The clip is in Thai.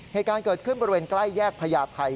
เหตุการณ์เกิดขึ้นบริเวณใกล้แยกพญาไทย